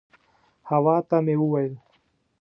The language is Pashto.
حوا ته مې وویل.